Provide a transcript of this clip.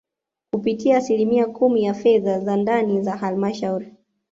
kupitia asilimia kumi ya fedha za ndani za Halmashauri